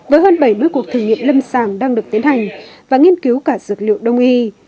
với hơn bảy mươi cuộc thử nghiệm lâm sàng đang được tiến hành và nghiên cứu cả dược liệu đông y